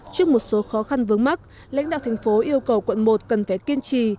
trước một số khó khăn vướng mắt lãnh đạo thành phố yêu cầu quận một cần phải kiên trì